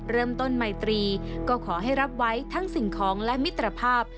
เริ่มต้นไมตรีก็ขอให้รับไว้ทั้งสิ่งของและมิตรภาพ